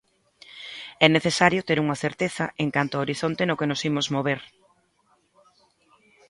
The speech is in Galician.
É necesario ter unha certeza en canto ao horizonte no que nos imos mover.